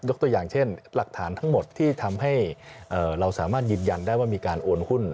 ตัวอย่างเช่นหลักฐานทั้งหมดที่ทำให้เราสามารถยืนยันได้ว่ามีการโอนหุ้น